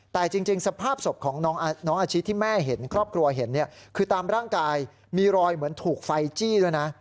แต่จริงสภาพศพของน้องอาชิที่แม่เห็นครอบครัวเห็นเนี่ยคือตามร่างกายมีรอยเหมือนถูกไฟจี้ด้วยนะ